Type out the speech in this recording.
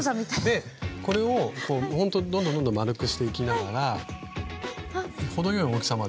でこれをこう本当にどんどんどんどん丸くしていきながら程よい大きさまで。